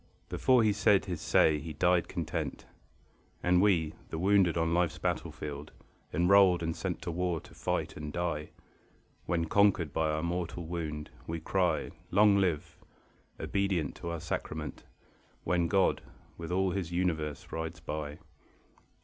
Before he said his say he died content. And we, the wounded on life's battlefield, Enrolled and sent to war to fight and die, When conquered by our mortal wound, we cry "Long live!" obedient to our sacrament, When God with all His universe rides by.